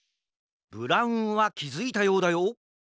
ブラウンはきづいたようだよ。